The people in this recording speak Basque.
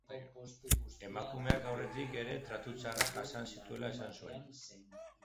Emakumeak aurretik ere tratu txarrak jasan zituela esan zuen.